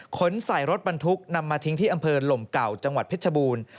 ใส่รถบรรทุกนำมาทิ้งที่อำเภอหลมเก่าจังหวัดเพชรบูรณ์